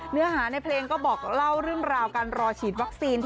เนื้อหาในเพลงก็บอกเล่าเรื่องราวการรอฉีดวัคซีน